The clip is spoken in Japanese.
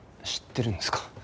知ってるんですか？